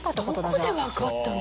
どこで分かったの？